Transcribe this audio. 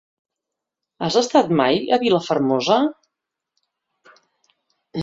Has estat mai a Vilafermosa?